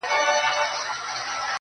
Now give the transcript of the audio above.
• درته دعاوي هر ماښام كومه.